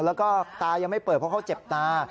แล้วก็ตายังไม่เปิดเพราะเขาเจ็บตา